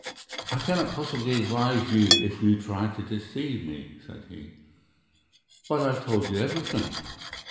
"I cannot possibly advise you if you try to deceive me," said he. "But I have told you everything."